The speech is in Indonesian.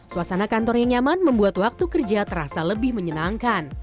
suasana kantor yang nyaman membuat waktu kerja terasa lebih menyenangkan